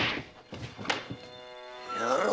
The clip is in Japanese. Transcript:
野郎！